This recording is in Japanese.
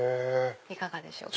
いかがでしょうか？